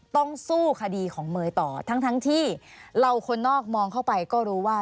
แท่ไหนก็ไม่ง่ายหรอกค่ะสักครู่ค่ะ